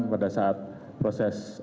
pada saat proses